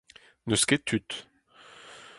N’eus ket tud.